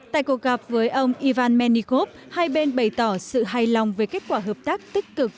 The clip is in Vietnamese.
tại cuộc gặp với ông ivan menikov hai bên bày tỏ sự hài lòng về kết quả hợp tác tích cực